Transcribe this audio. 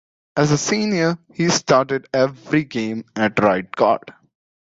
As a senior, he started every game at right guard.